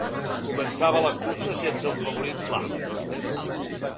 Començava la cursa sense un favorit clar.